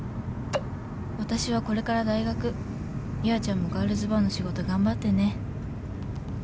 私はこれから大学ゆあちゃんもガールズバーの仕事頑張ってね」。